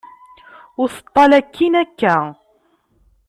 Ur teṭṭal akkin akka.